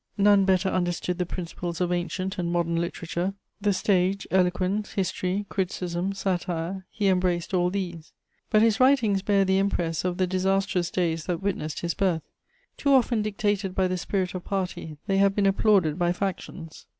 None better understood the principles of ancient and modern literature; the stage, eloquence, history, criticism, satire: he embraced all these; but his writings bear the impress of the disastrous days that witnessed his birth. Too often dictated by the spirit of party, they have been applauded by factions.